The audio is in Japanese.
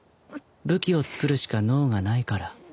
武器を作るしか能がないから。